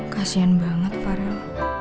kasian banget farel